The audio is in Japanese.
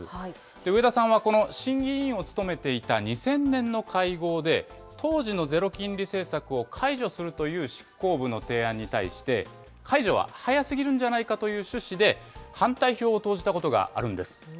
植田さんはこの審議委員を務めていた２０００年の会合で、当時のゼロ金利政策を解除するという執行部の提案に対して、解除は早すぎるんじゃないかという趣旨で、反対票を投じたことがあるんです。